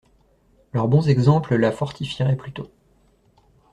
Leurs bons exemples la fortifieraient plutôt.